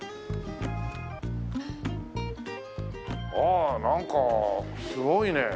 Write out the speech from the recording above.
ああなんかすごいね。